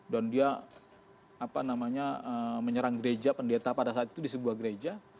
dan dia menyerang gereja pendeta pada saat itu di sebuah gereja